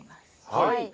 はい。